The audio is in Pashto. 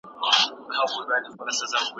زه له پښتو